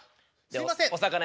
すいません。